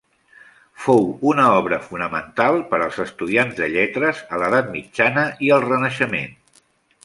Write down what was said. Fou una obra fonamental per als estudiants de lletres a l'edat mitjana i al Renaixement.